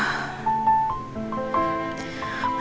masih betul betul terus begini ya